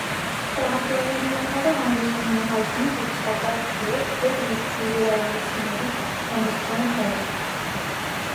Տառապյալների անտառը հանդիսանում է հայտնի տուրիստական օբյեկտ և իզրայիլցիների հանգստյան վայր։